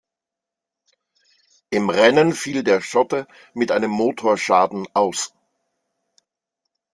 Im Rennen fiel der Schotte mit einem Motorschaden aus.